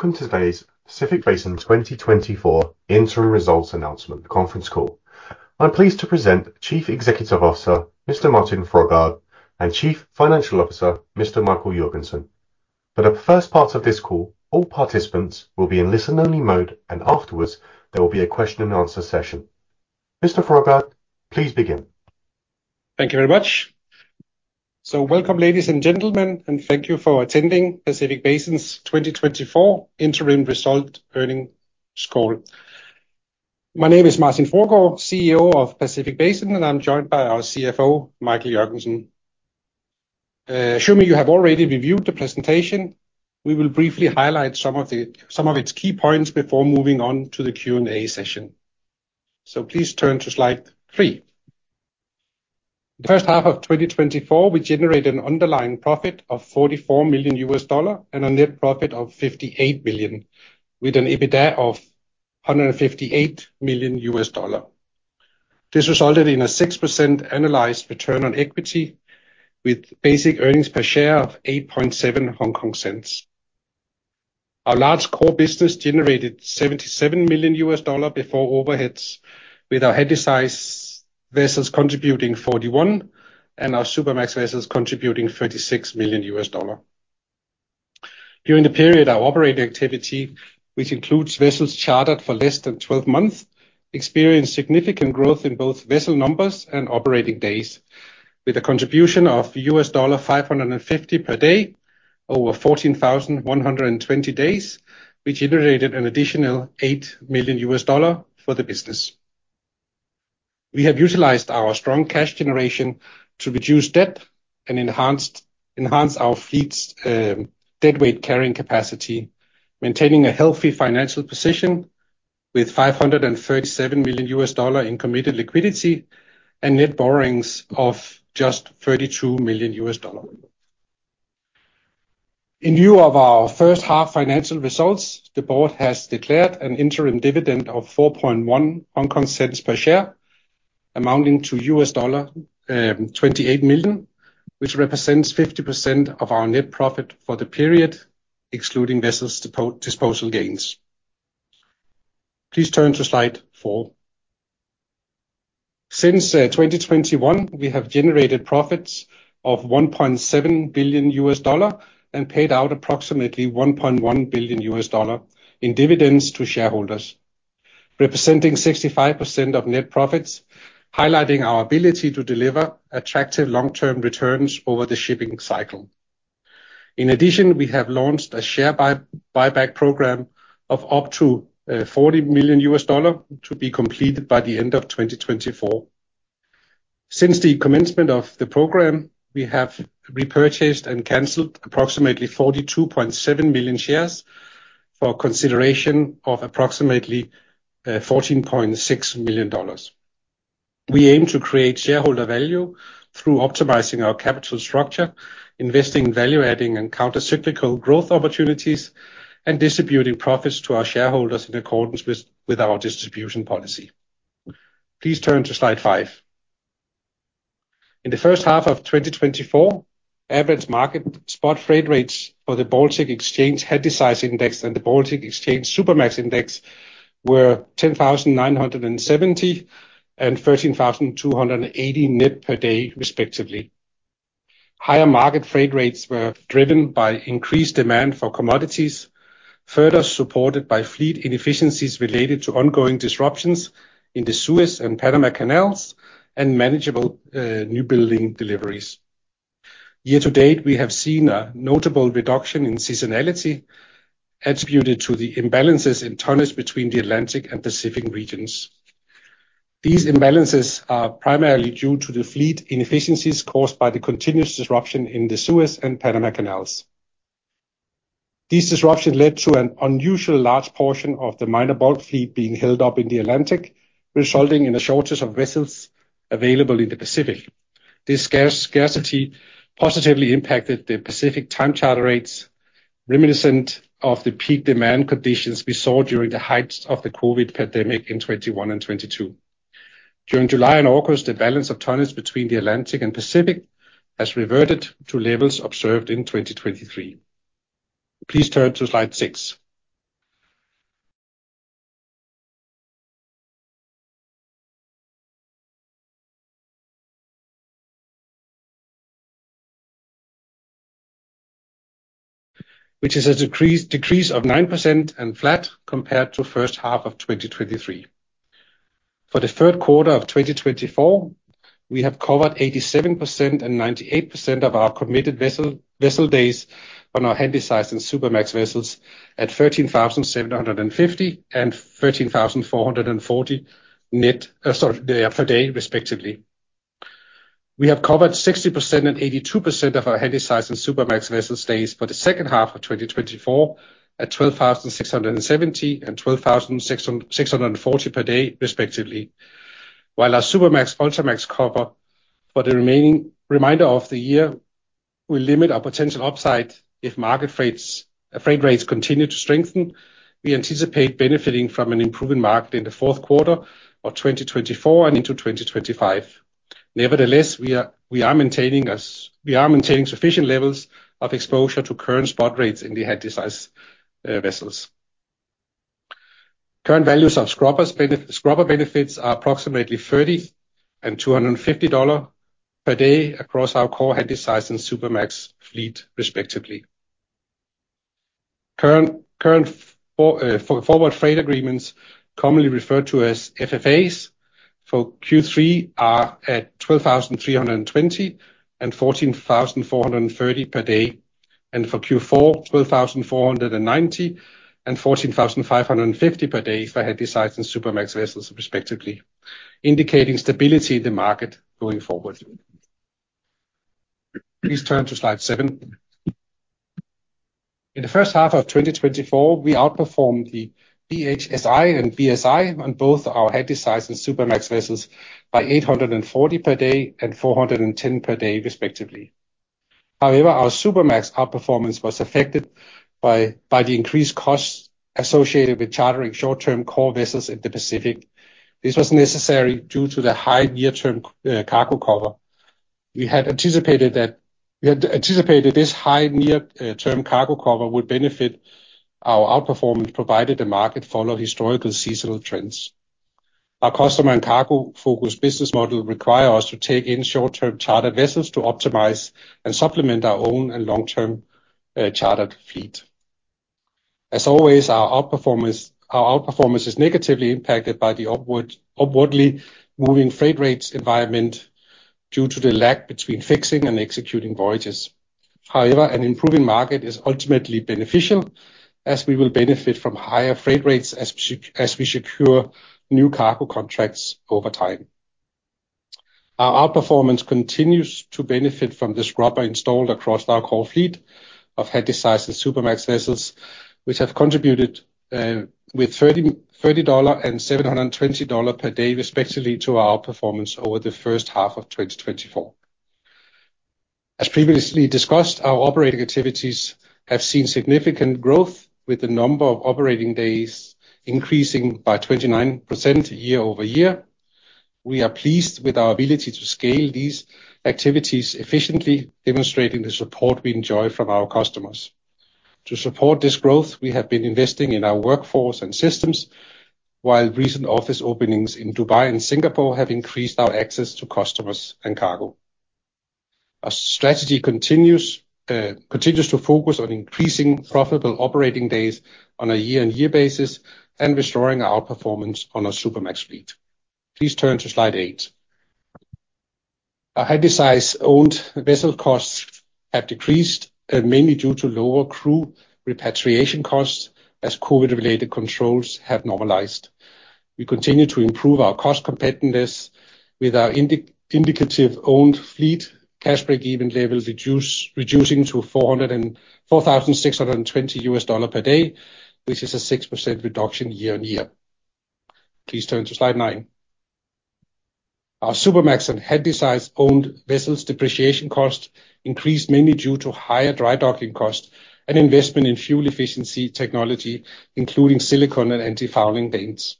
Welcome to today's Pacific Basin 2024 Interim Results Announcement, the conference call. I'm pleased to present Chief Executive Officer Mr. Martin Fruergaard and Chief Financial Officer Mr. Michael Jorgensen. For the first part of this call, all participants will be in listen-only mode, and afterwards, there will be a question-and-answer session. Mr. Fruergaard, please begin. Thank you very much. So welcome, ladies and gentlemen, and thank you for attending Pacific Basin's 2024 Interim Results Earnings Call. My name is Martin Fruergaard, CEO of Pacific Basin, and I'm joined by our CFO, Michael Jorgensen. Assuming you have already reviewed the presentation, we will briefly highlight some of its key points before moving on to the Q&A session. So please turn to slide three. The first half of 2024, we generated an underlying profit of $44 million and a net profit of $58 million, with an EBITDA of $158 million. This resulted in a 6% annualized return on equity, with basic earnings per share of HK$0.087. Our large core business generated $77 million before overheads, with our Handysize vessels contributing $41 million and our Supramax vessels contributing $36 million. During the period our operating activity, which includes vessels chartered for less than 12 months, experienced significant growth in both vessel numbers and operating days, with a contribution of $550 per day over 14,120 days, which generated an additional $8 million for the business. We have utilized our strong cash generation to reduce debt and enhance our fleet's deadweight carrying capacity, maintaining a healthy financial position with $537 million in committed liquidity and net borrowings of just $32 million. In view of our first half financial results, the board has declared an interim dividend of HK$0.041 per share, amounting to $28 million, which represents 50% of our net profit for the period, excluding vessels' disposal gains. Please turn to slide 4. Since 2021, we have generated profits of $1.7 billion and paid out approximately $1.1 billion in dividends to shareholders, representing 65% of net profits, highlighting our ability to deliver attractive long-term returns over the shipping cycle. In addition, we have launched a share buyback program of up to $40 million to be completed by the end of 2024. Since the commencement of the program, we have repurchased and canceled approximately 42.7 million shares for consideration of approximately $14.6 million. We aim to create shareholder value through optimizing our capital structure, investing in value-adding and countercyclical growth opportunities, and distributing profits to our shareholders in accordance with our distribution policy. Please turn to slide five. In the first half of 2024, average market spot trade rates for the Baltic Exchange Handysize Index and the Baltic Exchange Supramax Index were 10,970 and 13,280 net per day, respectively. Higher market trade rates were driven by increased demand for commodities, further supported by fleet inefficiencies related to ongoing disruptions in the Suez and Panama Canals and manageable newbuilding deliveries. Year to date, we have seen a notable reduction in seasonality attributed to the imbalances in tonnage between the Atlantic and Pacific regions. These imbalances are primarily due to the fleet inefficiencies caused by the continuous disruption in the Suez and Panama Canals. These disruptions led to an unusually large portion of the minor bulk fleet being held up in the Atlantic, resulting in a shortage of vessels available in the Pacific. This scarcity positively impacted the Pacific time charter rates, reminiscent of the peak demand conditions we saw during the heights of the COVID pandemic in 2021 and 2022. During July and August, the balance of tonnage between the Atlantic and Pacific has reverted to levels observed in 2023. Please turn to slide 6. Which is a decrease of 9% and flat compared to the first half of 2023. For the third quarter of 2024, we have covered 87% and 98% of our committed vessel days on our Handysize and Supramax vessels at $13,750 and $13,440 net per day, respectively. We have covered 60% and 82% of our Handysize and Supramax vessel days for the second half of 2024 at $12,670 and $12,640 per day, respectively. While our Supramax and Ultramax cover for the remainder of the year, we limit our potential upside if market trade rates continue to strengthen. We anticipate benefiting from an improving market in the fourth quarter of 2024 and into 2025. Nevertheless, we are maintaining sufficient levels of exposure to current spot rates in the Handysize vessels. Current values of scrubber benefits are approximately $30 and $250 per day across our core Handysize and Supramax fleet, respectively. Current forward freight agreements, commonly referred to as FFAs, for Q3 are at $12,320 and $14,430 per day, and for Q4, $12,490 and $14,550 per day for Handysize and Supramax vessels, respectively, indicating stability in the market going forward. Please turn to slide seven. In the first half of 2024, we outperformed the BHSI and BSI on both our Handysize and Supramax vessels by $840 per day and $410 per day, respectively. However, our Supramax outperformance was affected by the increased costs associated with chartering short-term core vessels in the Pacific. This was necessary due to the high near-term cargo cover. We had anticipated this high near-term cargo cover would benefit our outperformance provided the market followed historical seasonal trends. Our customer and cargo-focused business model requires us to take in short-term chartered vessels to optimize and supplement our own long-term chartered fleet. As always, our outperformance is negatively impacted by the upwardly moving freight rates environment due to the lag between fixing and executing voyages. However, an improving market is ultimately beneficial, as we will benefit from higher freight rates as we secure new cargo contracts over time. Our outperformance continues to benefit from the scrubber installed across our core fleet of Handysize and Supramax vessels, which have contributed with $30 and $720 per day, respectively, to our outperformance over the first half of 2024. As previously discussed, our operating activities have seen significant growth, with the number of operating days increasing by 29% year-over-year. We are pleased with our ability to scale these activities efficiently, demonstrating the support we enjoy from our customers. To support this growth, we have been investing in our workforce and systems, while recent office openings in Dubai and Singapore have increased our access to customers and cargo. Our strategy continues to focus on increasing profitable operating days on a year-on-year basis and restoring our outperformance on our Supramax fleet. Please turn to slide 8. Our Handysize owned vessel costs have decreased, mainly due to lower crew repatriation costs as COVID-related controls have normalized. We continue to improve our cost competitiveness with our indicative owned fleet cash break-even level reducing to $4,620 per day, which is a 6% reduction year-on-year. Please turn to slide 9. Our Supermax and Handysize owned vessels' depreciation costs increased mainly due to higher dry docking costs and investment in fuel efficiency technology, including silicon and anti-fouling paints.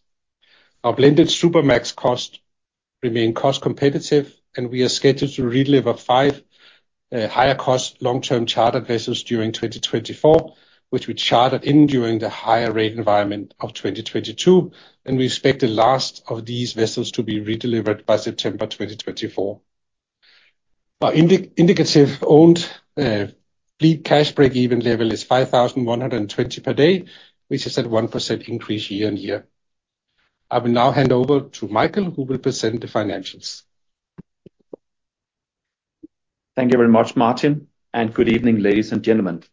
Our blended Supermax costs remain cost competitive, and we are scheduled to redeliver five higher-cost long-term chartered vessels during 2024, which we chartered in during the higher rate environment of 2022, and we expect the last of these vessels to be redelivered by September 2024. Our indicative owned fleet cash break-even level is $5,120 per day, which is a 1% increase year-on-year. I will now hand over to Michael, who will present the financials. Thank you very much, Martin, and good evening, ladies and gentlemen.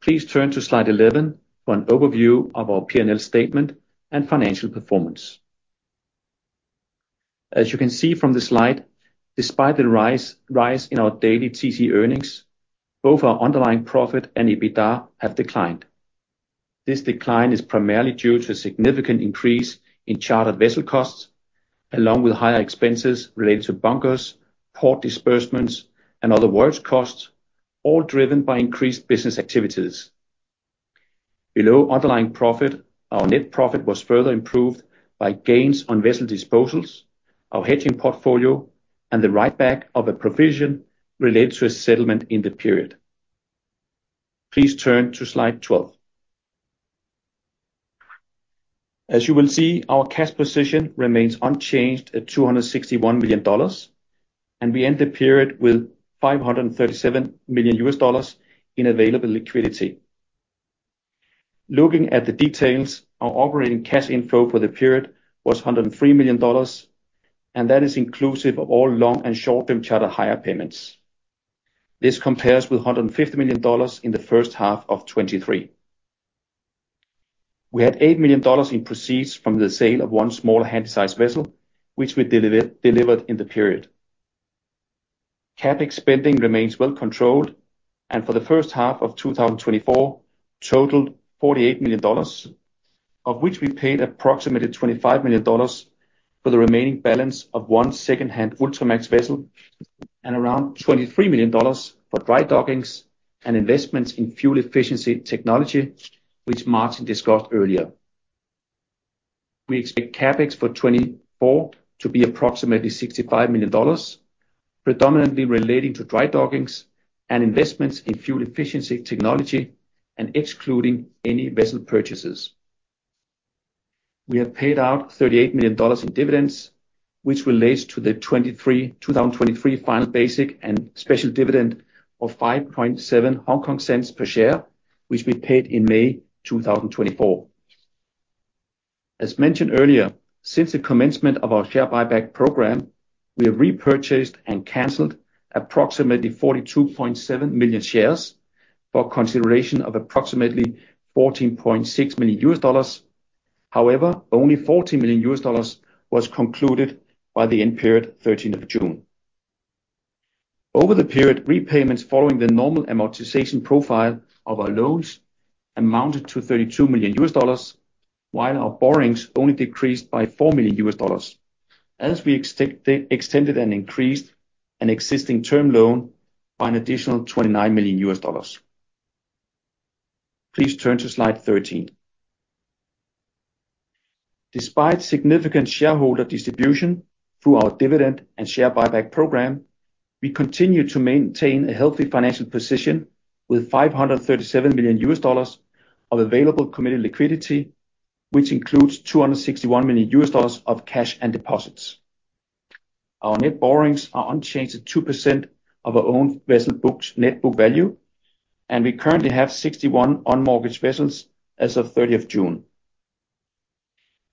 Please turn to slide 11 for an overview of our P&L statement and financial performance. As you can see from the slide, despite the rise in our daily TC earnings, both our underlying profit and EBITDA have declined. This decline is primarily due to a significant increase in chartered vessel costs, along with higher expenses related to bunkers, port disbursements, and other works costs, all driven by increased business activities. Below underlying profit, our net profit was further improved by gains on vessel disposals, our hedging portfolio, and the write-back of a provision related to a settlement in the period. Please turn to slide 12. As you will see, our cash position remains unchanged at $261 million, and we end the period with $537 million in available liquidity. Looking at the details, our operating cash inflow for the period was $103 million, and that is inclusive of all long and short-term chartered hire payments. This compares with $150 million in the first half of 2023. We had $8 million in proceeds from the sale of one smaller Handysize vessel, which we delivered in the period. Capex spending remains well controlled, and for the first half of 2024, totaled $48 million, of which we paid approximately $25 million for the remaining balance of one second-hand Ultramax vessel and around $23 million for dry dockings and investments in fuel efficiency technology, which Martin discussed earlier. We expect Capex for 2024 to be approximately $65 million, predominantly relating to dry dockings and investments in fuel efficiency technology, and excluding any vessel purchases. We have paid out $38 million in dividends, which relates to the 2023 final basic and special dividend of 0.057 per share, which we paid in May 2024. As mentioned earlier, since the commencement of our share buyback program, we have repurchased and canceled approximately 42.7 million shares for consideration of approximately $14.6 million. However, only $14 million was concluded by the end period, 13th of June. Over the period, repayments following the normal amortization profile of our loans amounted to $32 million, while our borrowings only decreased by $4 million, as we extended and increased an existing term loan by an additional $29 million. Please turn to slide 13. Despite significant shareholder distribution through our dividend and share buyback program, we continue to maintain a healthy financial position with $537 million of available committed liquidity, which includes $261 million of cash and deposits. Our net borrowings are unchanged at 2% of our own vessel book's net book value, and we currently have 61 on-mortgage vessels as of 30th June.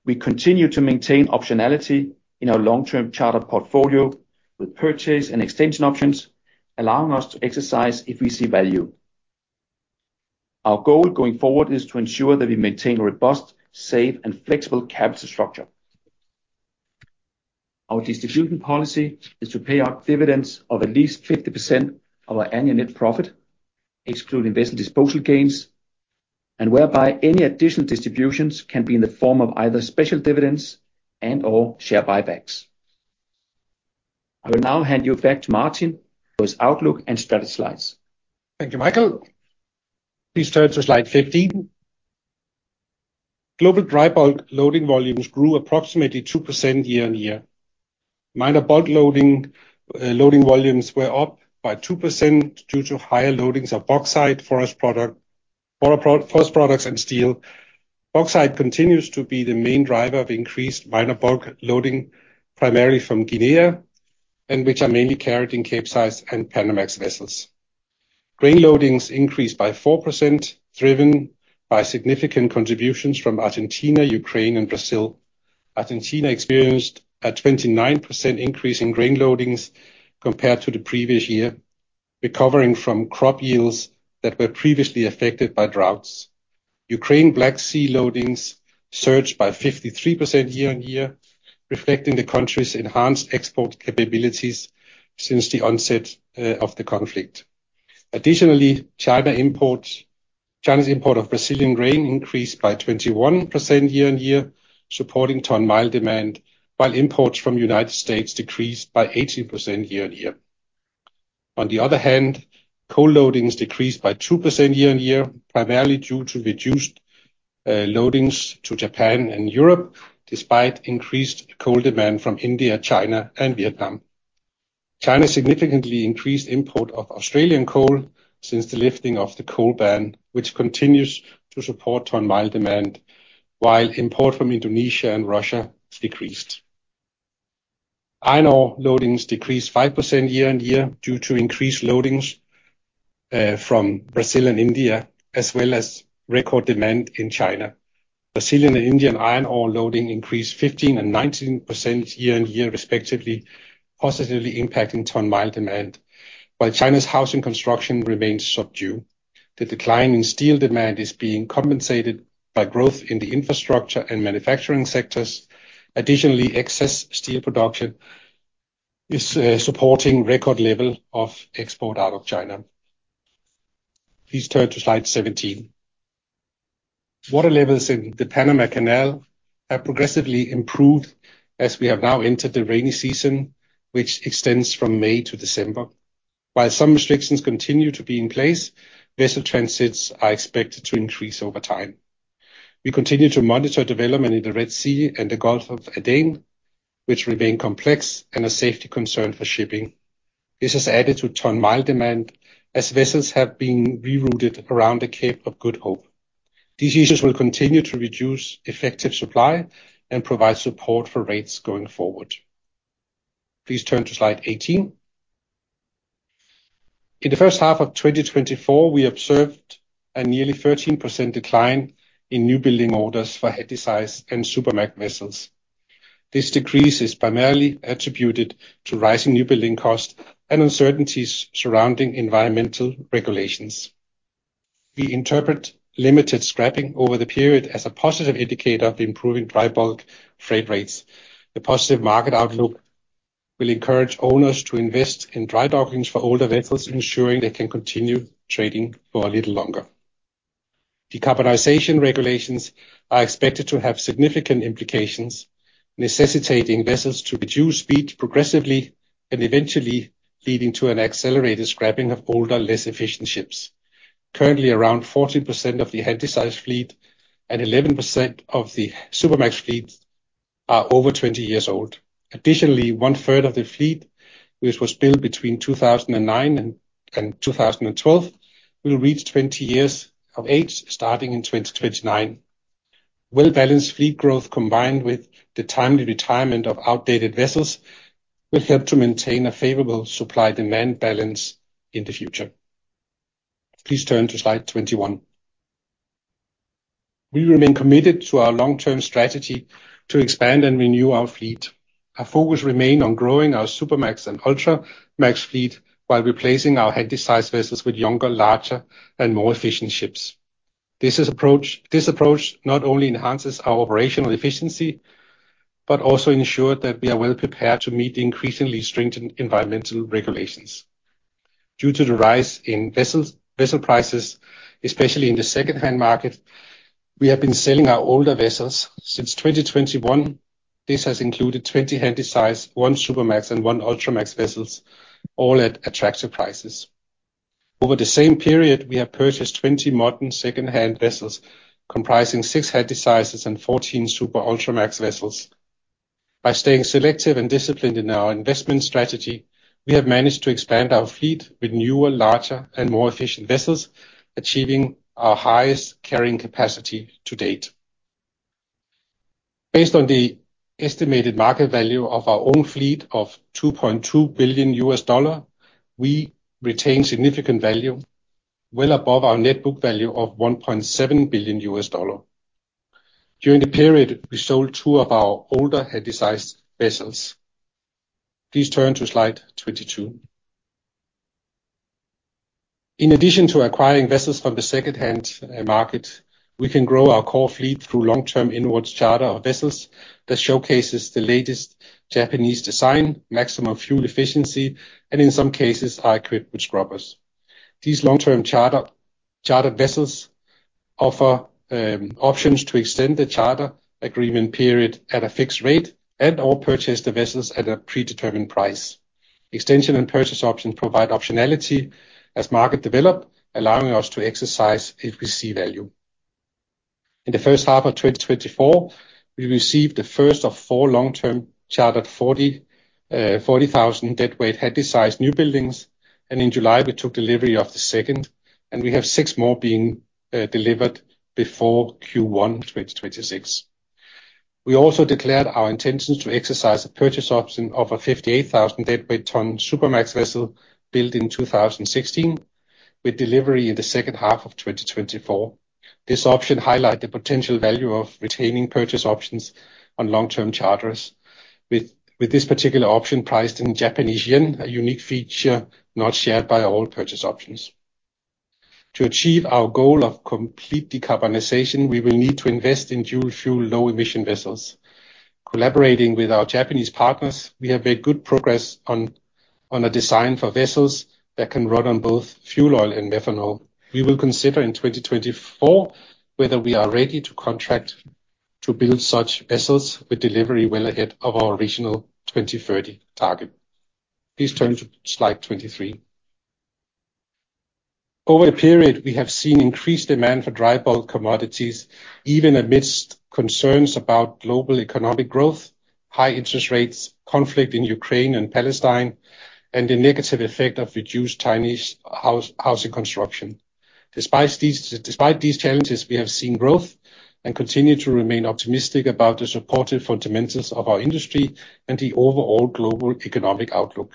We continue to maintain optionality in our long-term chartered portfolio with purchase and extension options, allowing us to exercise if we see value. Our goal going forward is to ensure that we maintain a robust, safe, and flexible capital structure. Our distribution policy is to pay out dividends of at least 50% of our annual net profit, excluding vessel disposal gains, and whereby any additional distributions can be in the form of either special dividends and/or share buybacks. I will now hand you back to Martin for his outlook and strategy slides. Thank you, Michael. Please turn to slide 15. Global dry bulk loading volumes grew approximately 2% year-over-year. Minor bulk loading volumes were up by 2% due to higher loadings of bauxite, forest products, and steel. Bauxite continues to be the main driver of increased minor bulk loading, primarily from Guinea, which are mainly carried in Capesize and Panamax vessels. Grain loadings increased by 4%, driven by significant contributions from Argentina, Ukraine, and Brazil. Argentina experienced a 29% increase in grain loadings compared to the previous year, recovering from crop yields that were previously affected by droughts. Ukraine Black Sea loadings surged by 53% year-over-year, reflecting the country's enhanced export capabilities since the onset of the conflict. Additionally, China's import of Brazilian grain increased by 21% year-over-year, supporting ton-mile demand, while imports from the United States decreased by 18% year-over-year. On the other hand, coal loadings decreased by 2% year-on-year, primarily due to reduced loadings to Japan and Europe, despite increased coal demand from India, China, and Vietnam. China significantly increased import of Australian coal since the lifting of the coal ban, which continues to support ton-mile demand, while import from Indonesia and Russia decreased. Iron ore loadings decreased 5% year-on-year due to increased loadings from Brazil and India, as well as record demand in China. Brazilian and Indian iron ore loading increased 15% and 19% year-on-year, respectively, positively impacting ton-mile demand, while China's housing construction remains subdued. The decline in steel demand is being compensated by growth in the infrastructure and manufacturing sectors. Additionally, excess steel production is supporting record levels of export out of China. Please turn to slide 17. Water levels in the Panama Canal have progressively improved as we have now entered the rainy season, which extends from May to December. While some restrictions continue to be in place, vessel transits are expected to increase over time. We continue to monitor development in the Red Sea and the Gulf of Aden, which remain complex and a safety concern for shipping. This has added to ton-mile demand as vessels have been rerouted around the Cape of Good Hope. These issues will continue to reduce effective supply and provide support for rates going forward. Please turn to slide 18. In the first half of 2024, we observed a nearly 13% decline in newbuilding orders for Handysize and Supramax vessels. This decrease is primarily attributed to rising newbuilding costs and uncertainties surrounding environmental regulations. We interpret limited scrapping over the period as a positive indicator of improving dry bulk freight rates. The positive market outlook will encourage owners to invest in dry dockings for older vessels, ensuring they can continue trading for a little longer. Decarbonization regulations are expected to have significant implications, necessitating vessels to reduce speed progressively and eventually leading to an accelerated scrapping of older, less efficient ships. Currently, around 14% of the Handysize fleet and 11% of the Supramax fleet are over 20 years old. Additionally, one-third of the fleet, which was built between 2009 and 2012, will reach 20 years of age starting in 2029. Well-balanced fleet growth, combined with the timely retirement of outdated vessels, will help to maintain a favorable supply-demand balance in the future. Please turn to slide 21. We remain committed to our long-term strategy to expand and renew our fleet. Our focus remains on growing our Supramax and Ultramax fleet while replacing our Handysize vessels with younger, larger, and more efficient ships. This approach not only enhances our operational efficiency but also ensures that we are well prepared to meet increasingly stringent environmental regulations. Due to the rise in vessel prices, especially in the second-hand market, we have been selling our older vessels. Since 2021, this has included 20 Handysize, 1 Supramax, and 1 Ultramax vessels, all at attractive prices. Over the same period, we have purchased 20 modern second-hand vessels comprising 6 Handysize and 14 Supramax-Ultramax vessels. By staying selective and disciplined in our investment strategy, we have managed to expand our fleet with newer, larger, and more efficient vessels, achieving our highest carrying capacity to date. Based on the estimated market value of our own fleet of $2.2 billion, we retain significant value, well above our net book value of $1.7 billion. During the period, we sold two of our older Handysize vessels. Please turn to slide 22. In addition to acquiring vessels from the second-hand market, we can grow our core fleet through long-term inwards charter of vessels that showcase the latest Japanese design, maximum fuel efficiency, and in some cases, are equipped with scrubbers. These long-term chartered vessels offer options to extend the charter agreement period at a fixed rate and/or purchase the vessels at a predetermined price. Extension and purchase options provide optionality as markets develop, allowing us to exercise if we see value. In the first half of 2024, we received the first of four long-term chartered 40,000 deadweight Handysize newbuildings, and in July, we took delivery of the second, and we have six more being delivered before Q1 2026. We also declared our intentions to exercise a purchase option of a 58,000 deadweight ton Supramax vessel built in 2016, with delivery in the second half of 2024. This option highlights the potential value of retaining purchase options on long-term charters, with this particular option priced in Japanese yen, a unique feature not shared by all purchase options. To achieve our goal of complete decarbonization, we will need to invest in dual-fuel low-emission vessels. Collaborating with our Japanese partners, we have made good progress on a design for vessels that can run on both fuel oil and methanol. We will consider in 2024 whether we are ready to contract to build such vessels with delivery well ahead of our original 2030 target. Please turn to slide 23. Over the period, we have seen increased demand for dry bulk commodities, even amidst concerns about global economic growth, high interest rates, conflict in Ukraine and Palestine, and the negative effect of reduced Chinese housing construction. Despite these challenges, we have seen growth and continue to remain optimistic about the supportive fundamentals of our industry and the overall global economic outlook.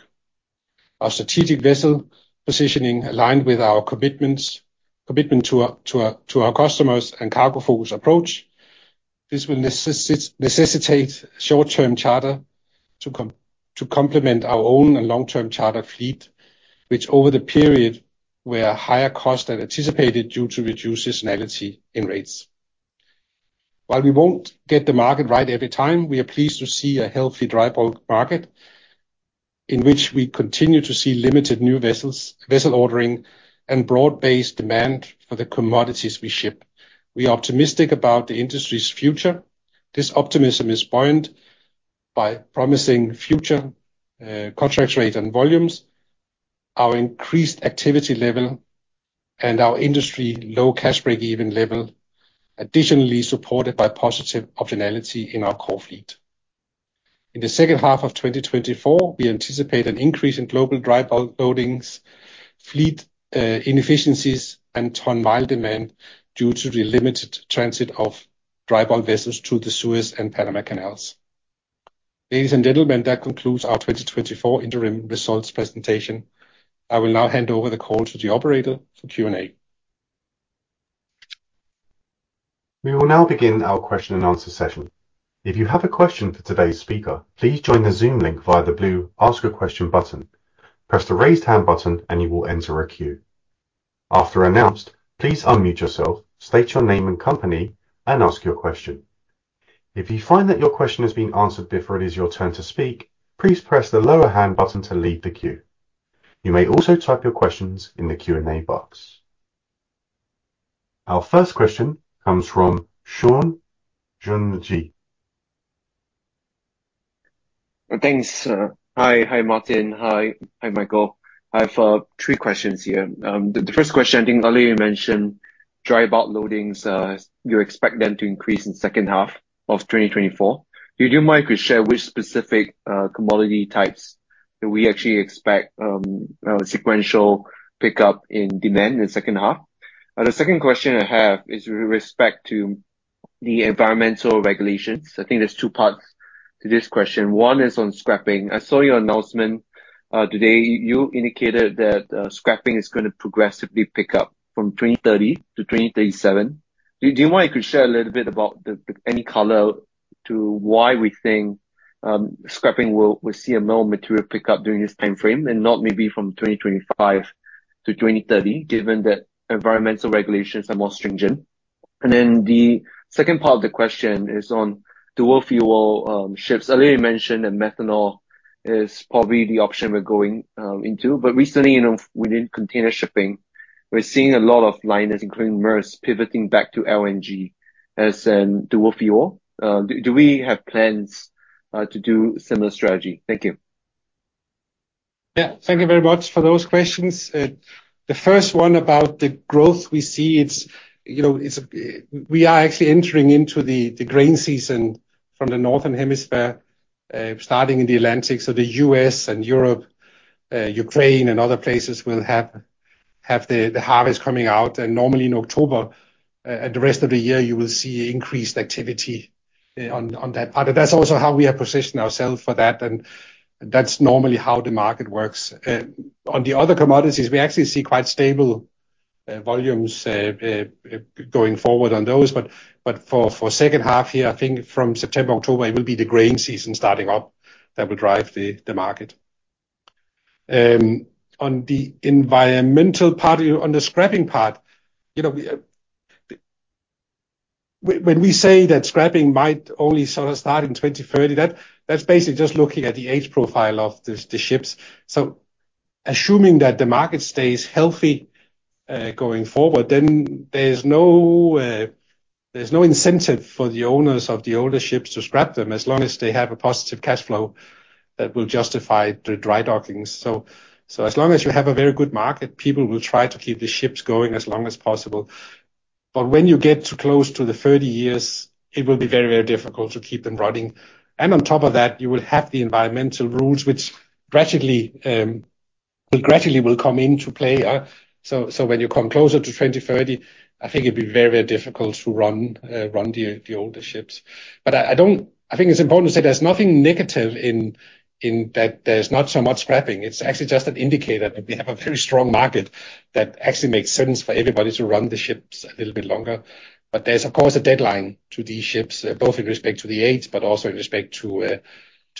Our strategic vessel positioning, aligned with our commitment to our customers and cargo-focused approach, will necessitate short-term charter to complement our own long-term charter fleet, which over the period were higher cost than anticipated due to reduced seasonality in rates. While we won't get the market right every time, we are pleased to see a healthy dry bulk market in which we continue to see limited new vessel ordering and broad-based demand for the commodities we ship. We are optimistic about the industry's future. This optimism is buoyed by promising future contract rates and volumes, our increased activity level, and our industry-low cash break-even level, additionally supported by positive optionality in our core fleet. In the second half of 2024, we anticipate an increase in global dry bulk loadings, fleet inefficiencies, and ton-mile demand due to the limited transit of dry bulk vessels through the Suez and Panama Canals. Ladies and gentlemen, that concludes our 2024 interim results presentation. I will now hand over the call to the operator for Q&A. We will now begin our question-and-answer session. If you have a question for today's speaker, please join the Zoom link via the blue Ask a Question button. Press the raised hand button, and you will enter a queue. After announced, please unmute yourself, state your name and company, and ask your question. If you find that your question has been answered before it is your turn to speak, please press the lower hand button to leave the queue. You may also type your questions in the Q&A box. Our first question comes from Shawn Jin. Thanks. Hi, Martin. Hi, Michael. I have three questions here. The first question, I think earlier you mentioned dry bulk loadings. You expect them to increase in the second half of 2024. Do you mind if you share which specific commodity types that we actually expect sequential pickup in demand in the second half? The second question I have is with respect to the environmental regulations. I think there's two parts to this question. One is on scrapping. I saw your announcement today. You indicated that scrapping is going to progressively pick up from 2030 to 2037. Do you mind if you share a little bit about any color to why we think scrapping will see a more material pickup during this timeframe and not maybe from 2025 to 2030, given that environmental regulations are more stringent? And then the second part of the question is on dual-fuel ships. Earlier you mentioned that methanol is probably the option we're going into. But recently, within container shipping, we're seeing a lot of liners, including Maersk, pivoting back to LNG as a dual-fuel. Do we have plans to do a similar strategy? Thank you. Yeah, thank you very much for those questions. The first one about the growth we see, we are actually entering into the grain season from the northern hemisphere, starting in the Atlantic. So the U.S. and Europe, Ukraine, and other places will have the harvest coming out. Normally in October, and the rest of the year, you will see increased activity on that part. And that's also how we have positioned ourselves for that. And that's normally how the market works. On the other commodities, we actually see quite stable volumes going forward on those. But for the second half here, I think from September, October, it will be the grain season starting up that will drive the market. On the environmental part, on the scrapping part, when we say that scrapping might only sort of start in 2030, that's basically just looking at the age profile of the ships. So assuming that the market stays healthy going forward, then there's no incentive for the owners of the older ships to scrap them as long as they have a positive cash flow that will justify the dry dockings. So as long as you have a very good market, people will try to keep the ships going as long as possible. But when you get too close to the 30 years, it will be very, very difficult to keep them running. And on top of that, you will have the environmental rules, which gradually will come into play. So when you come closer to 2030, I think it will be very, very difficult to run the older ships. But I think it's important to say there's nothing negative in that there's not so much scrapping. It's actually just an indicator that we have a very strong market that actually makes sense for everybody to run the ships a little bit longer. But there's, of course, a deadline to these ships, both in respect to the age, but also in respect to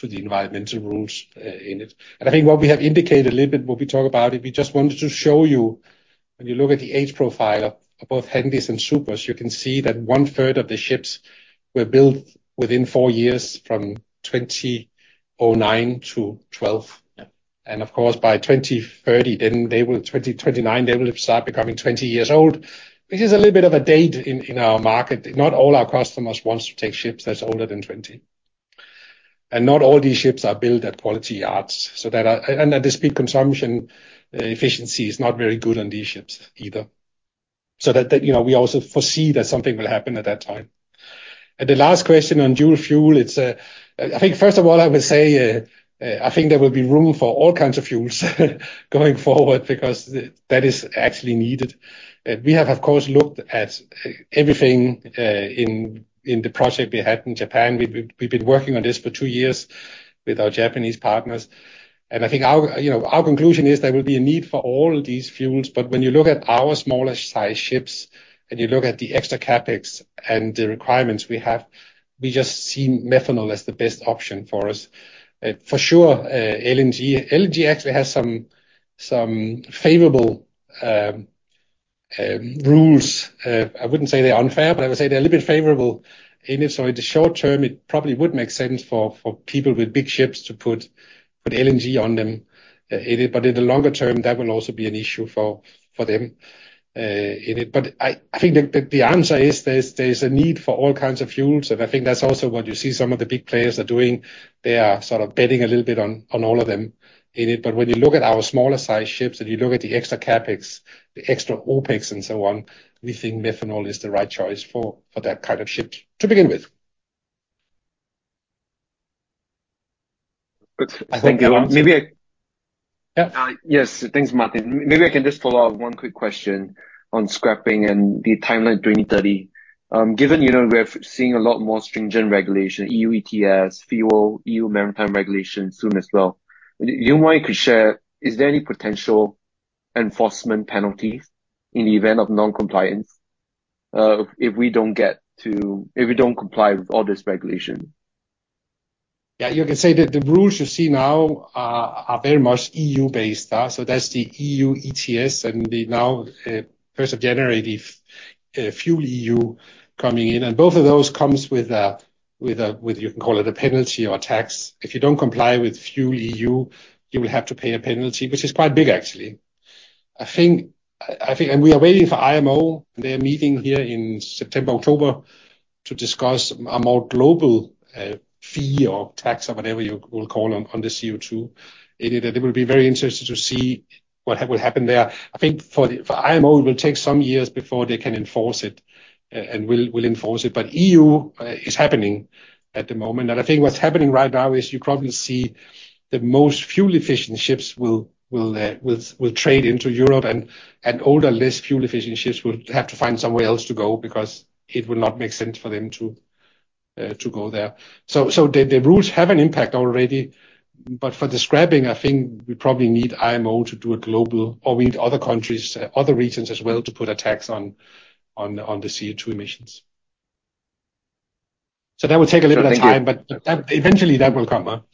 the environmental rules in it. And I think what we have indicated a little bit when we talk about it, we just wanted to show you, when you look at the age profile of both heavy and supers, you can see that one-third of the ships were built within four years from 2009 to 2012. And of course, by 2030, then they will, 2029, they will start becoming 20 years old, which is a little bit of a date in our market. Not all our customers want to take ships that are older than 20. Not all these ships are built at quality yards. The speed consumption efficiency is not very good on these ships either. We also foresee that something will happen at that time. The last question on dual fuel, I think first of all, I will say I think there will be room for all kinds of fuels going forward because that is actually needed. We have, of course, looked at everything in the project we had in Japan. We've been working on this for 2 years with our Japanese partners. I think our conclusion is there will be a need for all these fuels. But when you look at our smaller-sized ships and you look at the extra CapEx and the requirements we have, we just see methanol as the best option for us. For sure, LNG actually has some favorable rules. I wouldn't say they're unfair, but I would say they're a little bit favorable in it. So in the short term, it probably would make sense for people with big ships to put LNG on them. But in the longer term, that will also be an issue for them in it. But I think the answer is there's a need for all kinds of fuels. And I think that's also what you see some of the big players are doing. They are sort of betting a little bit on all of them in it. But when you look at our smaller-sized ships and you look at the extra CapEx, the extra OpEx, and so on, we think methanol is the right choice for that kind of ship to begin with. I think maybe I. Yes, thanks, Martin. Maybe I can just follow up one quick question on scrapping and the timeline 2030. Given we're seeing a lot more stringent regulation, EU ETS, FuelEU Maritime regulation soon as well. Do you mind if you could share, is there any potential enforcement penalties in the event of non-compliance if we don't get to, if we don't comply with all this regulation? Yeah, you can say that the rules you see now are very much EU-based. So that's the EU ETS and the now FuelEU coming in. And both of those come with, you can call it a penalty or a tax. If you don't comply with FuelEU, you will have to pay a penalty, which is quite big, actually. And we are waiting for IMO. They're meeting here in September, October to discuss a more global fee or tax or whatever you will call on the CO2 in it. And it will be very interesting to see what will happen there. I think for IMO, it will take some years before they can enforce it and will enforce it. But EU is happening at the moment. And I think what's happening right now is you probably see the most fuel-efficient ships will trade into Europe, and older, less fuel-efficient ships will have to find somewhere else to go because it will not make sense for them to go there. So the rules have an impact already. But for the scrapping, I think we probably need IMO to do a global, or we need other countries, other regions as well to put a tax on the CO2 emissions. That will take a little bit of time, but eventually that will come.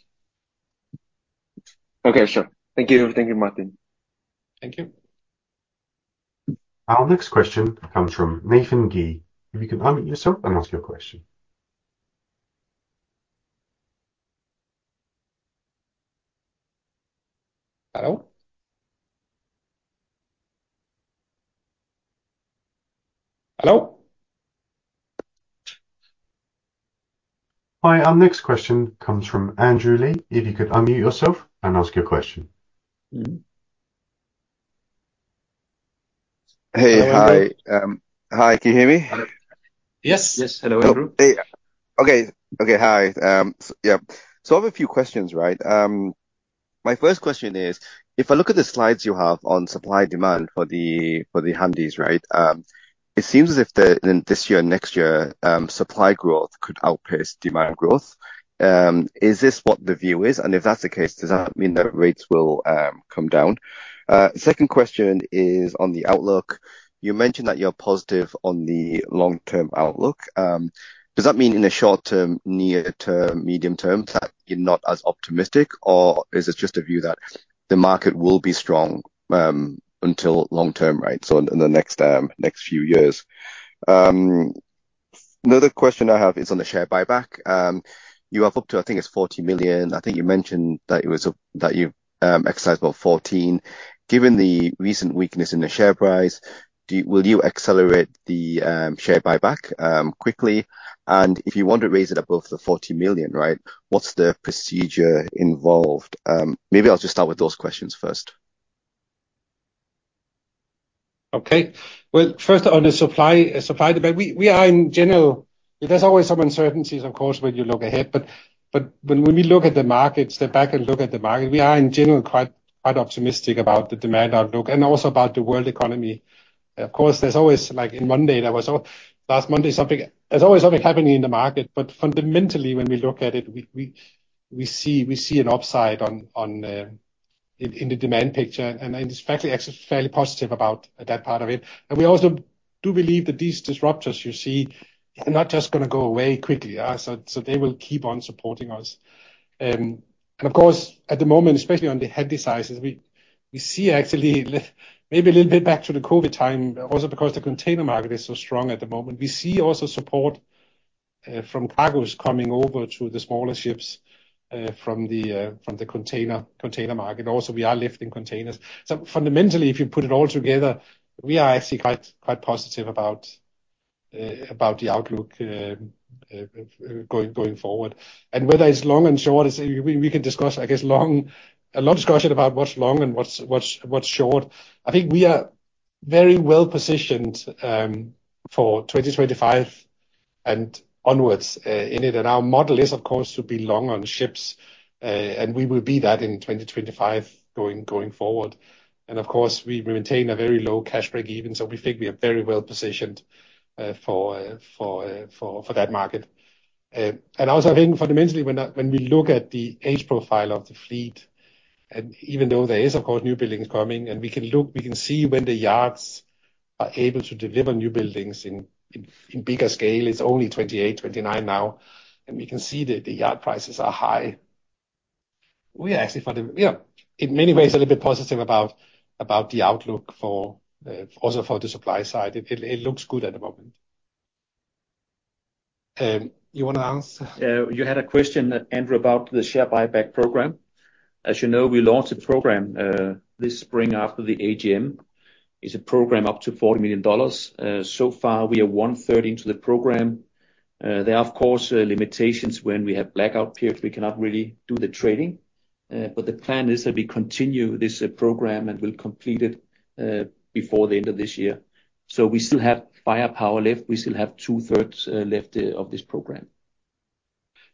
Okay, sure. Thank you. Thank you, Martin. Thank you. Our next question comes from Nathan Gee. If you can unmute yourself and ask your question. Hello? Hello? Hi. Our next question comes from Andrew Lee. If you could unmute yourself and ask your question. Hey. Hi. Hi. Can you hear me? Yes. Yes. Hello, Andrew. Okay. Okay. Hi. Yeah. So I have a few questions, right? My first question is, if I look at the slides you have on supply demand for the handies, right, it seems as if this year and next year, supply growth could outpace demand growth. Is this what the view is? And if that's the case, does that mean that rates will come down? Second question is on the outlook. You mentioned that you're positive on the long-term outlook. Does that mean in the short term, near term, medium term that you're not as optimistic, or is it just a view that the market will be strong until long term, right, so in the next few years? Another question I have is on the share buyback. You have up to, I think it's $40 million. I think you mentioned that you exercised about $14 million. Given the recent weakness in the share price, will you accelerate the share buyback quickly? And if you want to raise it above the $40 million, right, what's the procedure involved? Maybe I'll just start with those questions first. Okay. Well, first, on the supply demand, we are in general. There's always some uncertainties, of course, when you look ahead. But when we look at the markets, step back and look at the market, we are in general quite optimistic about the demand outlook and also about the world economy. Of course, there's always, like in Monday, there was last Monday, there's always something happening in the market. But fundamentally, when we look at it, we see an upside in the demand picture. And it's actually fairly positive about that part of it. And we also do believe that these disruptors you see are not just going to go away quickly. So they will keep on supporting us. And of course, at the moment, especially on the handy sizes, we see actually maybe a little bit back to the COVID time, also because the container market is so strong at the moment. We see also support from cargoes coming over to the smaller ships from the container market. Also, we are lifting containers. So fundamentally, if you put it all together, we are actually quite positive about the outlook going forward. And whether it's long and short, we can discuss, I guess, a lot of discussion about what's long and what's short. I think we are very well positioned for 2025 and onwards in it. And our model is, of course, to be long on ships. And we will be that in 2025 going forward. And of course, we maintain a very low cash break-even. So we think we are very well positioned for that market. And also, I think fundamentally, when we look at the age profile of the fleet, and even though there is, of course, new buildings coming, and we can see when the yards are able to deliver new buildings in bigger scale, it's only 28, 29 now. And we can see that the yard prices are high. We are actually, yeah, in many ways, a little bit positive about the outlook also for the supply side. It looks good at the moment. You want to answer? Yeah. You had a question, Andrew, about the share buyback program. As you know, we launched a program this spring after the AGM. It's a program up to $40 million. So far, we are one-third into the program. There are, of course, limitations when we have blackout periods. We cannot really do the trading. But the plan is that we continue this program and will complete it before the end of this year. So we still have firepower left. We still have two-thirds left of this program.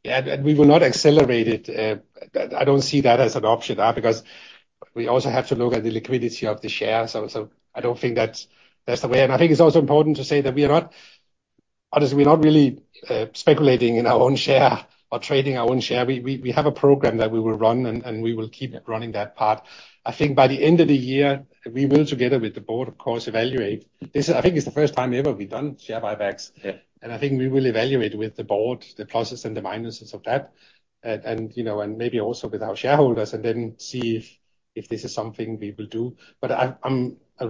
Yeah. And we will not accelerate it. I don't see that as an option because we also have to look at the liquidity of the shares. So I don't think that's the way. And I think it's also important to say that we are not, obviously, we're not really speculating in our own share or trading our own share. We have a program that we will run, and we will keep running that part. I think by the end of the year, we will, together with the board, of course, evaluate. I think it's the first time ever we've done share buybacks. I think we will evaluate with the board the pluses and the minuses of that, and maybe also with our shareholders, and then see if this is something we will do. But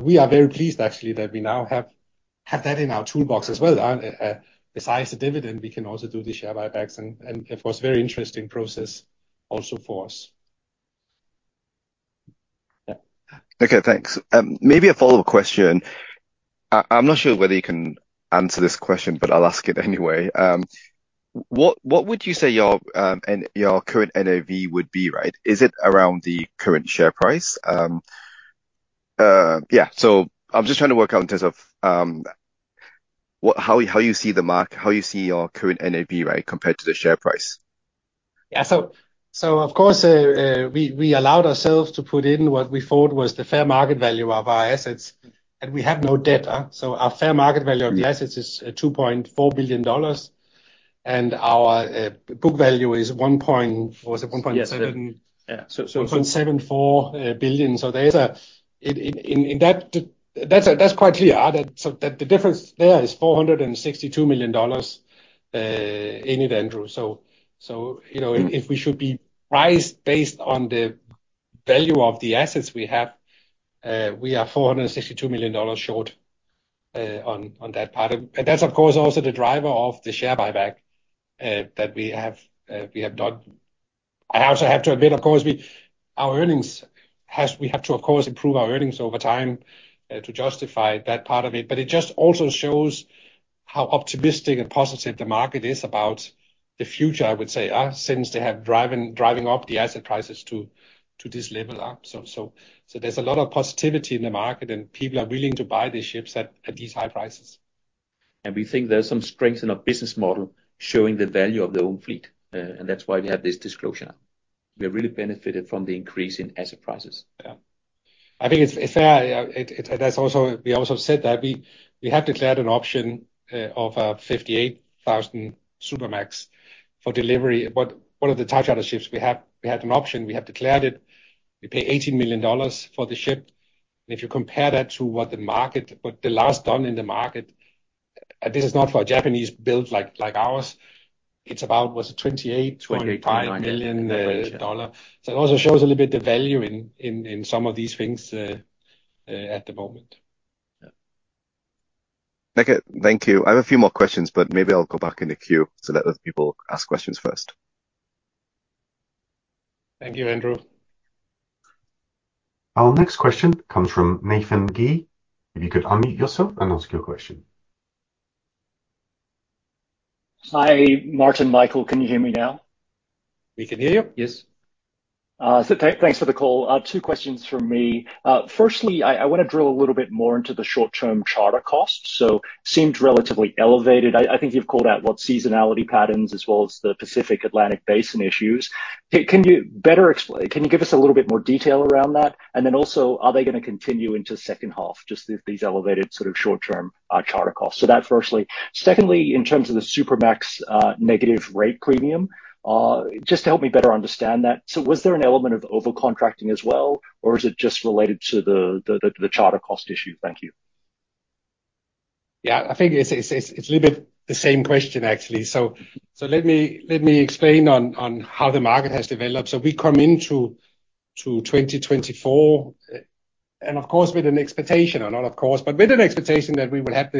we are very pleased, actually, that we now have that in our toolbox as well. Besides the dividend, we can also do the share buybacks. Of course, very interesting process also for us. Yeah. Okay. Thanks. Maybe a follow-up question. I'm not sure whether you can answer this question, but I'll ask it anyway. What would you say your current NAV would be, right? Is it around the current share price? Yeah. So I'm just trying to work out in terms of how you see the market, how you see your current NAV, right, compared to the share price. Yeah. So of course, we allowed ourselves to put in what we thought was the fair market value of our assets. And we have no debt. So our fair market value of the assets is $2.4 billion. And our book value is $1.7. Yeah. $1.74 billion. So that's quite clear. So the difference there is $462 million in it, Andrew. So if we should be priced based on the value of the assets we have, we are $462 million short on that part. And that's, of course, also the driver of the share buyback that we have done. I also have to admit, of course, our earnings, we have to, of course, improve our earnings over time to justify that part of it. But it just also shows how optimistic and positive the market is about the future, I would say, since they have driving up the asset prices to this level. So there's a lot of positivity in the market, and people are willing to buy these ships at these high prices. We think there's some strength in our business model showing the value of the own fleet. That's why we have this disclosure. We have really benefited from the increase in asset prices. Yeah. I think it's fair. We also said that we have declared an option of 58,000 Supermax for delivery. One of the touch-outer ships we had an option. We have declared it. We pay $18 million for the ship. And if you compare that to what the market, what the last done in the market, and this is not for a Japanese build like ours, it's about, what's it, $28-$29 million. So it also shows a little bit the value in some of these things at the moment. Okay. Thank you. I have a few more questions, but maybe I'll go back in the queue so that other people ask questions first. Thank you, Andrew. Our next question comes from Nathan Gee. If you could unmute yourself and ask your question. Hi, Martin, Michael, can you hear me now? We can hear you. Yes. Thanks for the call. Two questions for me. Firstly, I want to drill a little bit more into the short-term charter costs. So seemed relatively elevated. I think you've called out what seasonality patterns as well as the Pacific Atlantic Basin issues. Can you better explain? Can you give us a little bit more detail around that? And then also, are they going to continue into second half, just these elevated sort of short-term charter costs? So that firstly. Secondly, in terms of the Supermax negative rate premium, just to help me better understand that. So was there an element of overcontracting as well, or is it just related to the charter cost issue? Thank you. Yeah. I think it's a little bit the same question, actually. So let me explain on how the market has developed. So we come into 2024, and of course, with an expectation, not of course, but with an expectation that we would have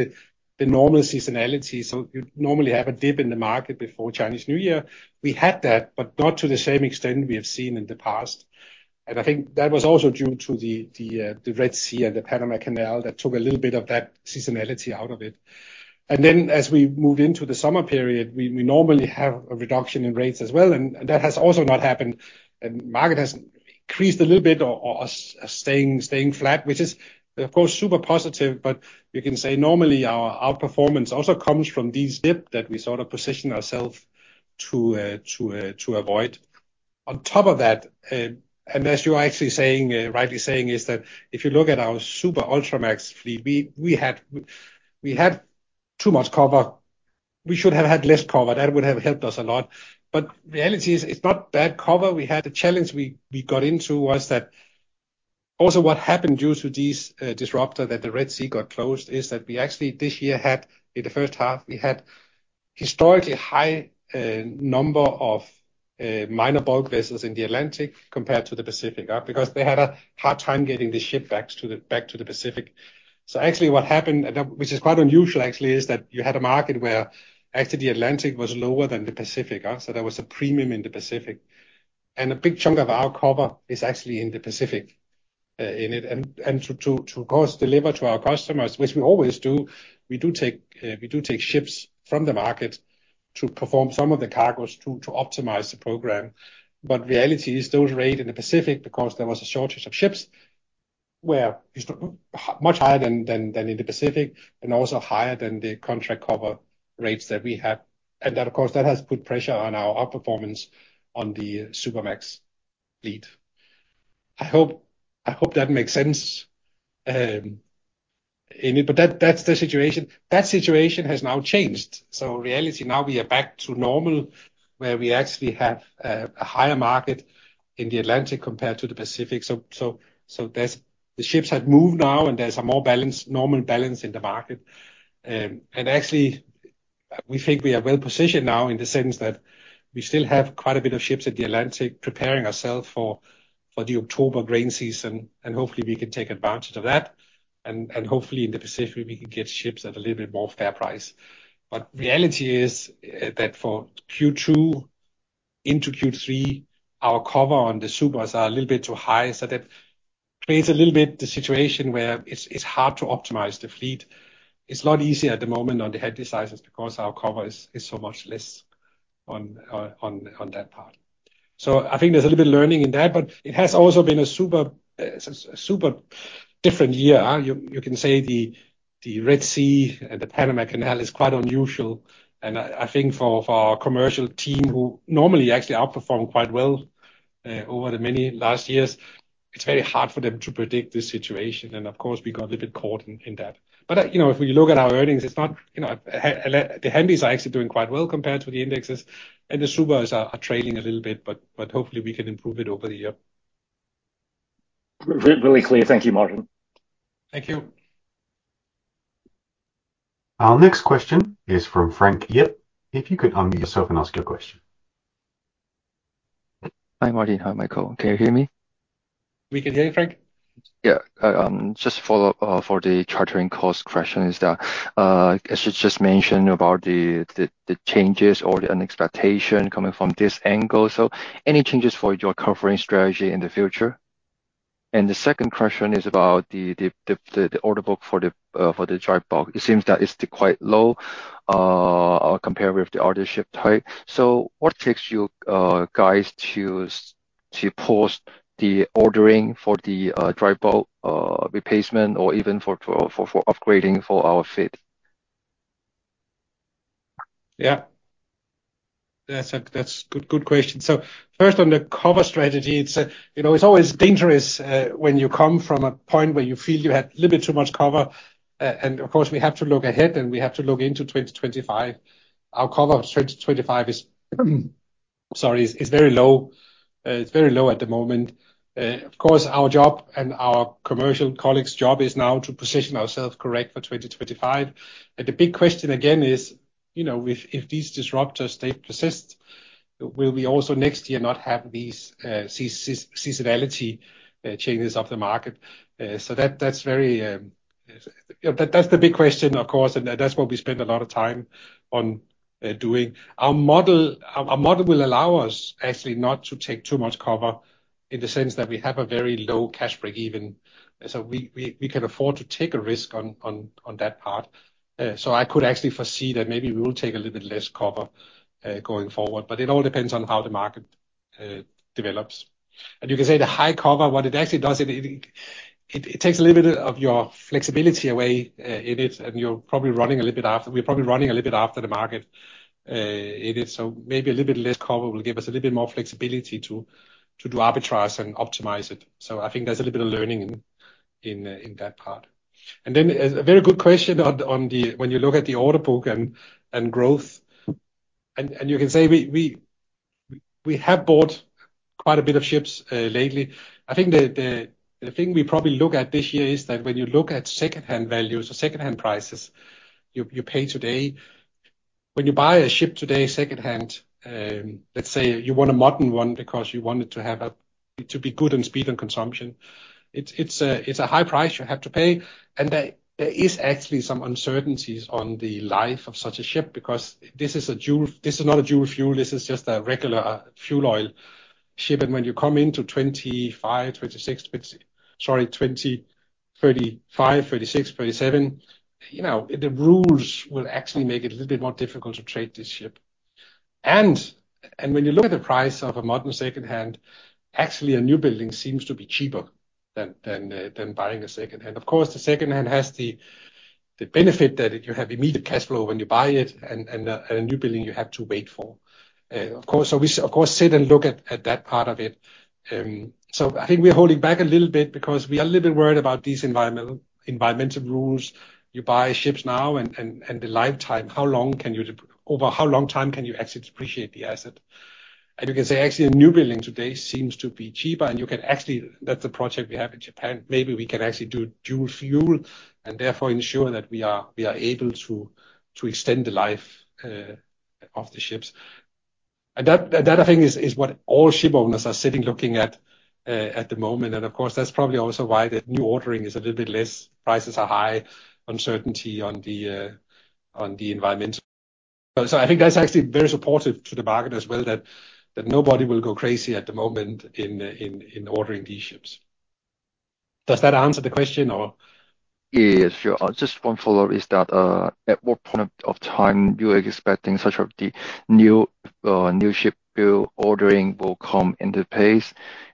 the normal seasonality. So you normally have a dip in the market before Chinese New Year. We had that, but not to the same extent we have seen in the past. And I think that was also due to the Red Sea and the Panama Canal that took a little bit of that seasonality out of it. And then as we moved into the summer period, we normally have a reduction in rates as well. And that has also not happened. And the market has increased a little bit or staying flat, which is, of course, super positive. But you can say normally our outperformance also comes from these dips that we sort of position ourselves to avoid. On top of that, and as you're actually rightly saying, is that if you look at our Supramax Ultramax fleet, we had too much cover. We should have had less cover. That would have helped us a lot. But reality is it's not bad cover. The challenge we got into was that also what happened due to this disruption that the Red Sea got closed is that we actually this year had, in the first half, we had a historically high number of minor bulk vessels in the Atlantic compared to the Pacific because they had a hard time getting the ship back to the Pacific. So actually what happened, which is quite unusual actually, is that you had a market where actually the Atlantic was lower than the Pacific. So there was a premium in the Pacific. A big chunk of our cover is actually in the Pacific, in it. And to, of course, deliver to our customers, which we always do, we do take ships from the market to perform some of the cargoes to optimize the program. But reality is those rates in the Pacific, because there was a shortage of ships, were much higher than in the Pacific and also higher than the contract cover rates that we have. And that, of course, that has put pressure on our outperformance on the Supermax fleet. I hope that makes sense in it. But that's the situation. That situation has now changed. So reality now we are back to normal where we actually have a higher market in the Atlantic compared to the Pacific. So the ships have moved now, and there's a more normal balance in the market. Actually, we think we are well positioned now in the sense that we still have quite a bit of ships in the Atlantic preparing ourselves for the October grain season. And hopefully, we can take advantage of that. And hopefully, in the Pacific, we can get ships at a little bit more fair price. But reality is that for Q2 into Q3, our cover on the supers are a little bit too high. So that creates a little bit the situation where it's hard to optimize the fleet. It's not easy at the moment on the handy sizes because our cover is so much less on that part. So I think there's a little bit of learning in that. But it has also been a super different year. You can say the Red Sea and the Panama Canal is quite unusual. I think for our commercial team who normally actually outperform quite well over the many last years, it's very hard for them to predict this situation. And of course, we got a little bit caught in that. But if we look at our earnings, it's not the handies are actually doing quite well compared to the indexes. And the supers are trailing a little bit. But hopefully, we can improve it over the year. Really clear. Thank you, Martin. Thank you. Our next question is from Frank Yip. If you could unmute yourself and ask your question. Hi, Martin. Hi, Michael. Can you hear me? We can hear you, Frank. Yeah. Just for the chartering cost question, is that as you just mentioned about the changes or the expectation coming from this angle? So any changes for your covering strategy in the future? And the second question is about the order book for the dry bulk. It seems that it's quite low compared with the other ship type. So what takes you guys to postpone the ordering for the dry bulk replacement or even for upgrading for our fleet? Yeah. That's a good question. So first, on the cover strategy, it's always dangerous when you come from a point where you feel you had a little bit too much cover. And of course, we have to look ahead, and we have to look into 2025. Our cover for 2025 is, sorry, it's very low. It's very low at the moment. Of course, our job and our commercial colleagues' job is now to position ourselves correct for 2025. And the big question again is, if these disruptors persist, will we also next year not have these seasonality changes of the market? So that's the big question, of course. And that's what we spend a lot of time on doing. Our model will allow us actually not to take too much cover in the sense that we have a very low cash break-even. So we can afford to take a risk on that part. So I could actually foresee that maybe we will take a little bit less cover going forward. But it all depends on how the market develops. And you can say the high cover, what it actually does, it takes a little bit of your flexibility away in it. And you're probably running a little bit after we're probably running a little bit after the market in it. So maybe a little bit less cover will give us a little bit more flexibility to do arbitrage and optimize it. So I think there's a little bit of learning in that part. And then a very good question on when you look at the order book and growth. And you can say we have bought quite a bit of ships lately. I think the thing we probably look at this year is that when you look at secondhand values or secondhand prices, you pay today. When you buy a ship today secondhand, let's say you want a modern one because you want it to be good and speed on consumption, it's a high price you have to pay. There is actually some uncertainties on the life of such a ship because this is not a dual fuel. This is just a regular fuel oil ship. When you come into 2025, 2026, sorry, 2035, 2036, 2037, the rules will actually make it a little bit more difficult to trade this ship. When you look at the price of a modern secondhand, actually a newbuilding seems to be cheaper than buying a secondhand. Of course, the secondhand has the benefit that you have immediate cash flow when you buy it. And a new building you have to wait for. Of course, of course, sit and look at that part of it. So I think we're holding back a little bit because we are a little bit worried about these environmental rules. You buy ships now, and the lifetime, how long can you over how long time can you actually depreciate the asset? And you can say actually a new building today seems to be cheaper. And you can actually that's a project we have in Japan. Maybe we can actually do dual fuel and therefore ensure that we are able to extend the life of the ships. And that, I think, is what all ship owners are sitting looking at at the moment. And of course, that's probably also why the new ordering is a little bit less. Prices are high, uncertainty on the environment. So I think that's actually very supportive to the market as well that nobody will go crazy at the moment in ordering these ships. Does that answer the question or? Yeah, yeah, sure. Just one follow-up is that at what point of time you are expecting such a new ship ordering will come into place?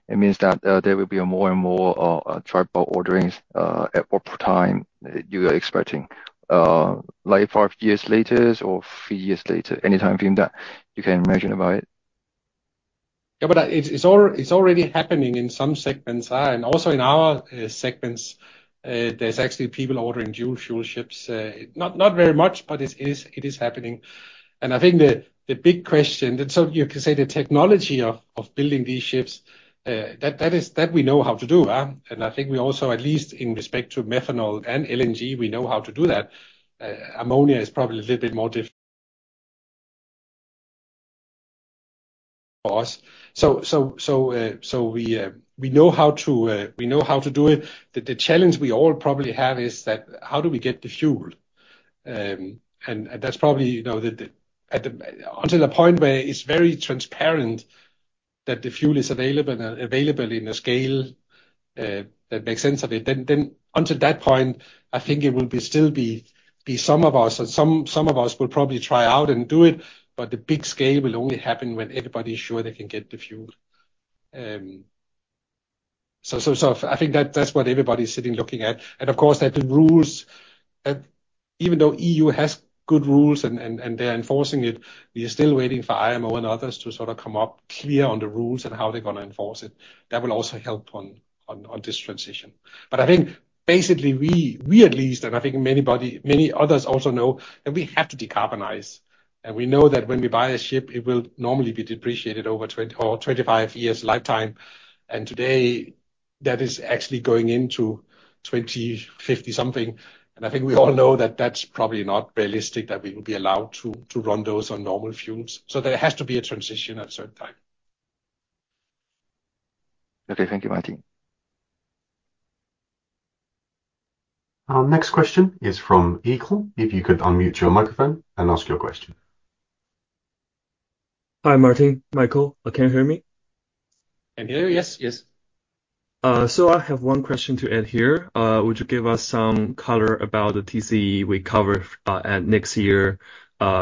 It means that there will be more and more dry bulk orderings at what time you are expecting? Like five years later or a few years later, any time frame that you can imagine about it? Yeah, but it's already happening in some segments. And also in our segments, there's actually people ordering dual fuel ships. Not very much, but it is happening. And I think the big question, so you can say the technology of building these ships, that we know how to do. And I think we also, at least in respect to methanol and LNG, we know how to do that. Ammonia is probably a little bit more difficult for us. So we know how to do it. The challenge we all probably have is that how do we get the fuel? And that's probably until the point where it's very transparent that the fuel is available and available in a scale that makes sense of it. Then until that point, I think it will still be some of us, some of us will probably try out and do it. But the big scale will only happen when everybody's sure they can get the fuel. So I think that's what everybody's sitting looking at. And of course, that the rules, even though EU has good rules and they're enforcing it, we are still waiting for IMO and others to sort of come up clear on the rules and how they're going to enforce it. That will also help on this transition. But I think basically we at least, and I think many others also know that we have to decarbonize. And we know that when we buy a ship, it will normally be depreciated over 20 or 25 years lifetime. And today, that is actually going into 2050 something. And I think we all know that that's probably not realistic that we will be allowed to run those on normal fuels. There has to be a transition at a certain time. Okay, thank you, Martin. Our next question is from Eagle. If you could unmute your microphone and ask your question. Hi, Martin. Michael, can you hear me? Can you hear me? Yes, yes. I have one question to add here. Would you give us some color about the TCE we cover at next year,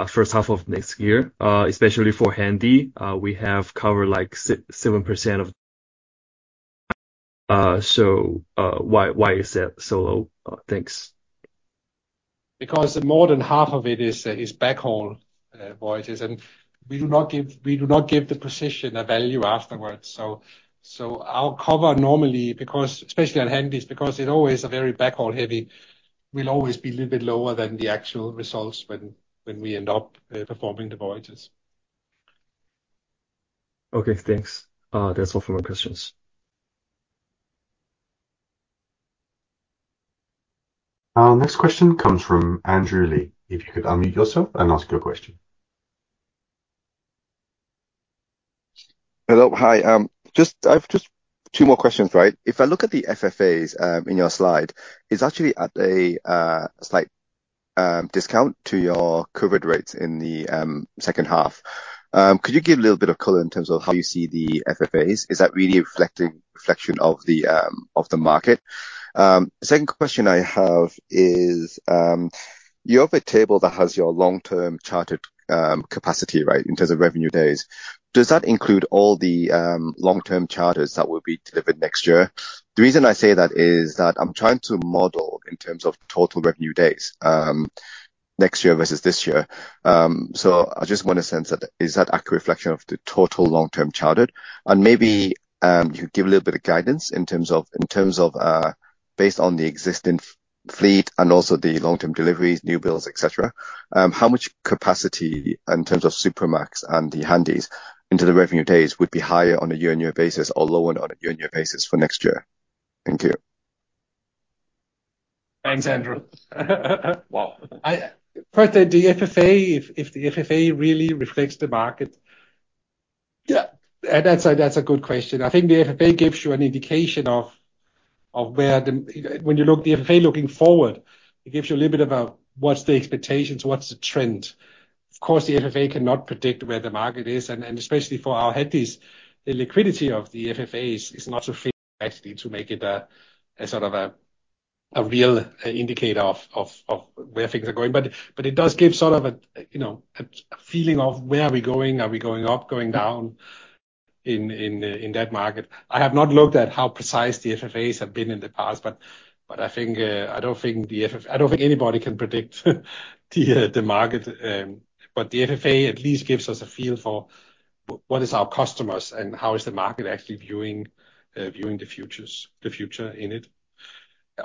first half of next year, especially for handy? We have covered like 7% of. So why is that so low? Thanks. Because more than half of it is backhaul voyages. And we do not give the position a value afterwards. So our cover normally, especially on handies, because it's always a very backhaul heavy, will always be a little bit lower than the actual results when we end up performing the voyages. Okay, thanks. That's all for my questions. Next question comes from Andrew Lee. If you could unmute yourself and ask your question. Hello, hi. Just two more questions, right? If I look at the FFAs in your slide, it's actually at a slight discount to your covered rates in the second half. Could you give a little bit of color in terms of how you see the FFAs? Is that really a reflection of the market? The second question I have is you have a table that has your long-term chartered capacity, right, in terms of revenue days. Does that include all the long-term charters that will be delivered next year? The reason I say that is that I'm trying to model in terms of total revenue days next year versus this year. So I just want to sense that. Is that accurate reflection of the total long-term chartered? Maybe you could give a little bit of guidance in terms of based on the existing fleet and also the long-term deliveries, new builds, etc., how much capacity in terms of Supermax and the handies into the revenue days would be higher on a year-on-year basis or lower on a year-on-year basis for next year? Thank you. Thanks, Andrew. Wow. First, the FFA, if the FFA really reflects the market. Yeah, that's a good question. I think the FFA gives you an indication of where, when you look at the FFA looking forward, it gives you a little bit about what's the expectations, what's the trend. Of course, the FFA cannot predict where the market is. And especially for our handies, the liquidity of the FFAs is not so fixed to make it a sort of a real indicator of where things are going. But it does give sort of a feeling of where are we going? Are we going up, going down in that market? I have not looked at how precise the FFAs have been in the past, but I don't think anybody can predict the market. But the FFA at least gives us a feel for what our customers are and how the market is actually viewing the future in it.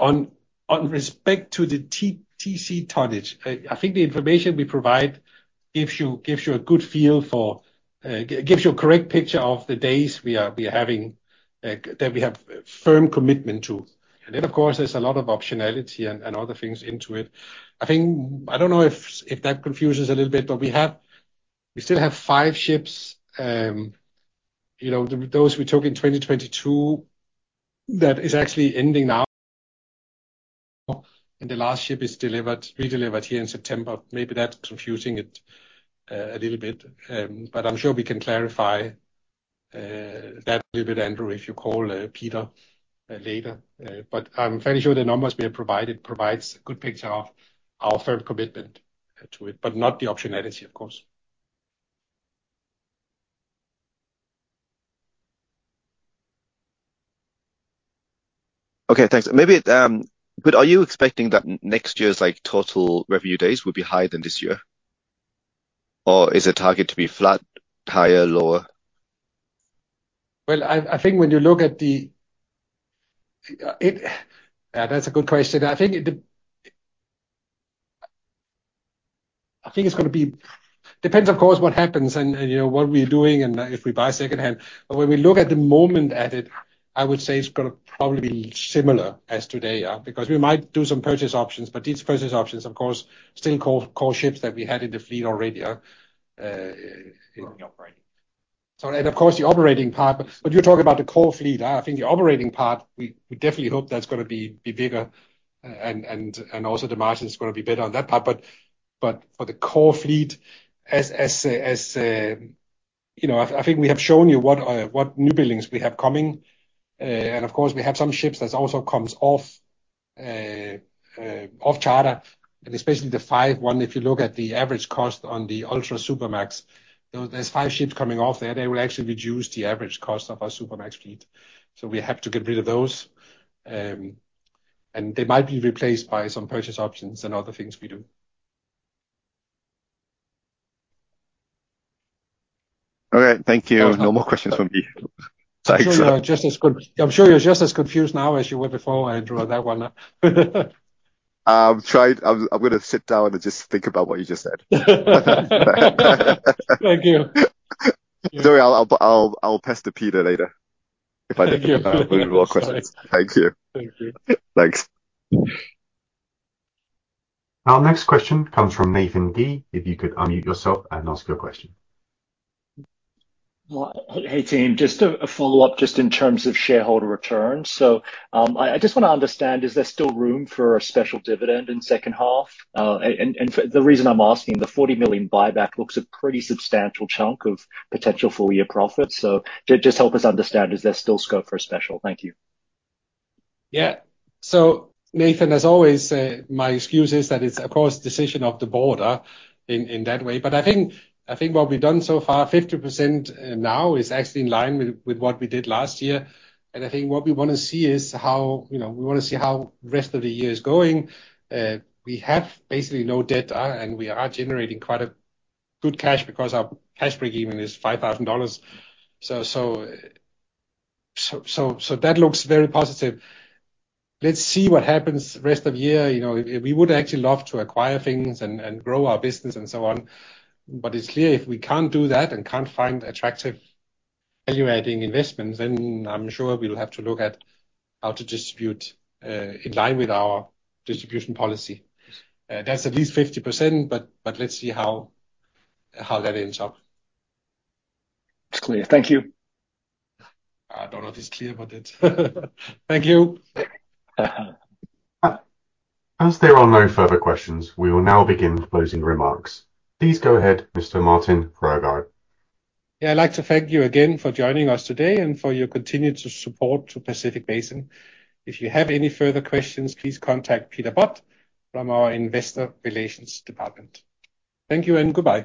With respect to the TC tonnage, I think the information we provide gives you a good feel for gives you a correct picture of the days we are having that we have firm commitment to. And then, of course, there's a lot of optionality and other things into it. I don't know if that confuses a little bit, but we still have five ships. Those we took in 2022 that is actually ending now. And the last ship is delivered, redelivered here in September. Maybe that's confusing it a little bit. But I'm sure we can clarify that a little bit, Andrew, if you call Peter later. But I'm fairly sure the numbers we have provided provide a good picture of our firm commitment to it, but not the optionality, of course. Okay, thanks. But are you expecting that next year's total revenue days will be higher than this year? Or is the target to be flat, higher, lower? Well, I think when you look at it, yeah, that's a good question. I think it's going to be depends, of course, what happens and what we're doing and if we buy secondhand. But when we look at the moment at it, I would say it's going to probably be similar as today because we might do some purchase options. But these purchase options, of course, still control ships that we had in the fleet already in operation. And of course, the operating part, but you're talking about the core fleet. I think the operating part, we definitely hope that's going to be bigger and also the margin is going to be better on that part. But for the core fleet, as I think we have shown you what new buildings we have coming. Of course, we have some ships that also come off charter, and especially the $5,100, if you look at the average cost on the Ultramax Supramax, there's 5 ships coming off there. They will actually reduce the average cost of our Supramax fleet. So we have to get rid of those. And they might be replaced by some purchase options and other things we do. Okay, thank you. No more questions from me. I'm sure you're just as confused now as you were before, Andrew. That one. I'm going to sit down and just think about what you just said. Thank you. Sorry, I'll pass to Peter later if I don't have any more questions. Thank you. Thank you. Thanks. Our next question comes from Nathan Gee. If you could unmute yourself and ask your question. Hey, team. Just a follow-up just in terms of shareholder returns. So I just want to understand, is there still room for a special dividend in second half? And the reason I'm asking, the $40 million buyback looks a pretty substantial chunk of potential full-year profit. So just help us understand, is there still scope for a special? Thank you. Yeah. So Nathan, as always, my excuse is that it's, of course, a decision of the board in that way. But I think what we've done so far, 50% now is actually in line with what we did last year. And I think what we want to see is how the rest of the year is going. We have basically no debt, and we are generating quite good cash because our cash break-even is $5,000. So that looks very positive. Let's see what happens the rest of the year. We would actually love to acquire things and grow our business and so on. But it's clear if we can't do that and can't find attractive value-adding investments, then I'm sure we'll have to look at how to distribute in line with our distribution policy. That's at least 50%, but let's see how that ends up. Clear. Thank you. I don't know if it's clear, but it's thank you. As there are no further questions, we will now begin closing remarks. Please go ahead, Mr. Martin Frogaard. Yeah, I'd like to thank you again for joining us today and for your continued support to Pacific Basin. If you have any further questions, please contact Peter Budd from our Investor Relations Department. Thank you and goodbye.